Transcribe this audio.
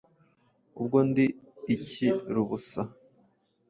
Ubwo ndi iki rubusa